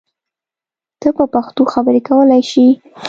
ته په پښتو خبری کولای شی!